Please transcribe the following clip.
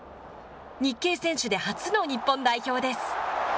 日系選手で初の日本代表です。